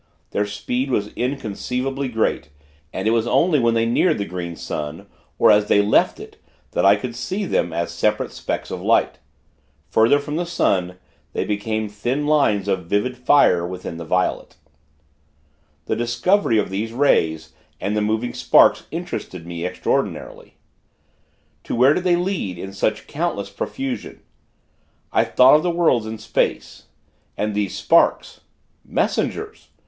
Their speed was inconceivably great; and it was only when they neared the Green Sun, or as they left it, that I could see them as separate specks of light. Further from the sun, they became thin lines of vivid fire within the violet. The discovery of these rays, and the moving sparks, interested me, extraordinarily. To where did they lead, in such countless profusion? I thought of the worlds in space.... And those sparks! Messengers!